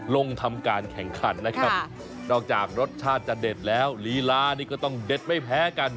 ลงทำการแข่งขันนะครับนอกจากรสชาติจะเด็ดแล้วลีลานี่ก็ต้องเด็ดไม่แพ้กัน